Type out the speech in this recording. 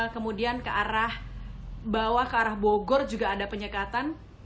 kemudian ke arah bawah ke arah bogor juga ada penyekatan